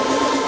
ya gue seneng